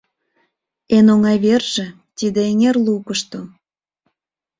Эн оҥай верже — тиде эҥер лукышто.